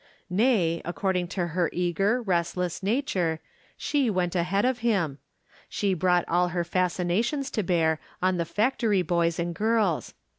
Nay, according to her eager, restless, nature, she went ahead of him ; she brought all her fascinations to bear on the factory boj's and girls.